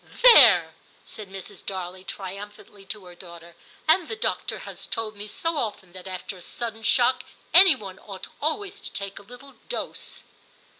* There,' said Mrs. Darley triumphantly to her daughter, *and the doctor has told me so often that after a sudden shock any one ought always to take a little dose.'